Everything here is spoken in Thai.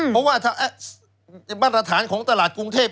เพราะว่าบรรฐฐานของตลาดกรุงเทพ